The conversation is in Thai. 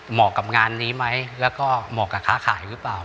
กับงานนี้ไหมแล้วก็เหมาะกับค้าขายหรือเปล่า